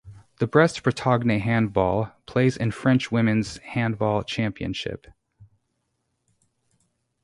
The Brest Bretagne Handball plays in French Women's Handball Championship.